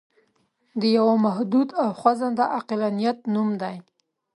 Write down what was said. د یوه محدود او خوځنده عقلانیت نوم دی.